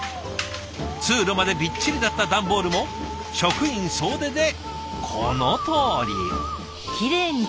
通路までびっちりだった段ボールも職員総出でこのとおり。